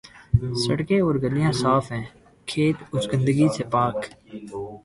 سڑکیں اورگلیاں صاف ہیں، کھیت اس گندگی سے پاک۔